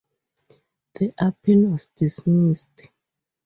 The appeal was dismissed.